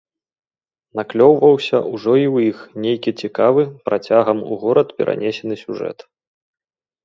Наклёўваўся ўжо і ў іх нейкі цікавы, працягам у горад перанесены сюжэт.